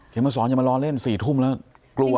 มาสอนอย่ามารอเล่น๔ทุ่มแล้วกลัว